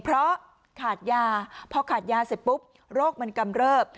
เพราะขาดยาพอขาดยาเสร็จปุ๊บโรคมันกำเริบ